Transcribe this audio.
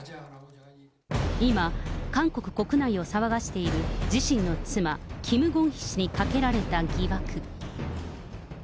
今、韓国国内を騒がせている自身の妻、キム・ゴンヒ氏にかけられた疑惑。